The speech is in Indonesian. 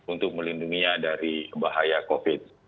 untuk melindunginya dari bahaya covid